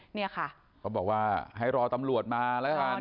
เขาบอกว่าให้รอตำรวจมาละกัน